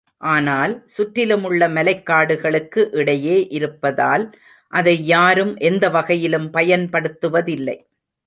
ஆனால், சுற்றிலுமுள்ள மலைக்காடுகளுக்கு இடையே இருப்பதால் அதை யாரும் எந்த வகையிலும் பயன்படுத்துவதில்லை.